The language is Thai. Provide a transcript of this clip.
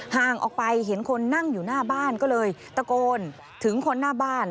ห่างออกไปเห็นคนนั่งอยู่หน้าบ้านก็เลยตะโกนถึงคนหน้าบ้าน